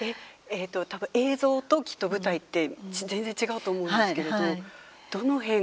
多分映像ときっと舞台って全然違うと思うんですけれどどの辺がこう。